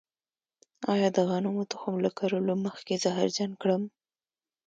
آیا د غنمو تخم له کرلو مخکې زهرجن کړم؟